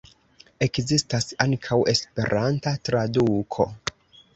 Ekzistas ankaŭ Esperanta traduko.